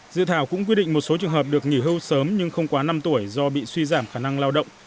dự thảo cũng quy định một số trường hợp được nghỉ hưu sớm nhưng không quá năm tuổi do bị suy giảm khả năng lao động